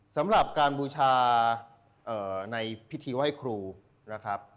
สำหรับการบูชาในพิธีไหว้ครูนะครับ